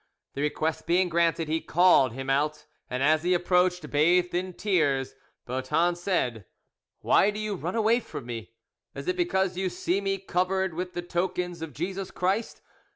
The request being granted, he called him out, and as he approached, bathed in tears, Boeton said, "Why do you run away from me? Is it because you see me covered with the tokens of Jesus Christ?